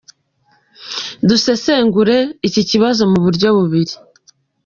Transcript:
Dusesengure iki kibazo mu buryo bubiri.